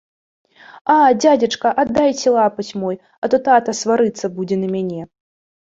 А дзядзечка, аддайце лапаць мой, а то тата сварыцца будзе на мяне!